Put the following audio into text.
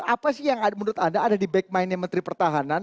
apa sih yang menurut anda ada di back mind nya menteri pertahanan